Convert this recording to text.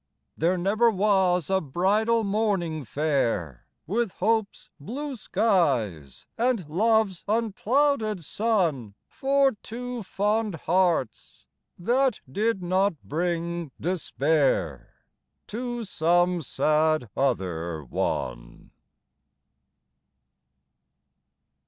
There never was a bridal morning fair With hope's blue skies and love's unclouded sun For two fond hearts, that did not bring despair To some sad other one.